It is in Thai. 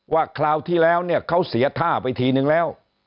คราวที่แล้วเนี่ยเขาเสียท่าไปทีนึงแล้ว